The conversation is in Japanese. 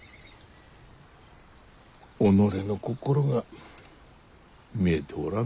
己の心が見えておらんな。